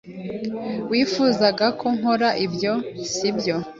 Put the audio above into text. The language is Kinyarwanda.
Wifuzaga ko nkora ibyo, sibyo?